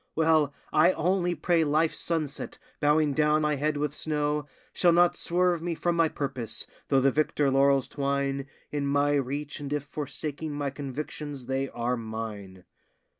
Well, I only pray life's sunset, bowing down my head with snow, Shall not swerve me from my purpose, though the victor laurels twine In my reach, and if forsaking my convictions they are mine.